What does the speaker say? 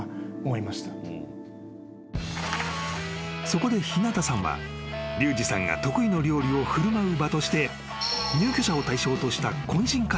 ［そこで日向さんはリュウジさんが得意の料理を振る舞う場として入居者を対象とした懇親会を企画］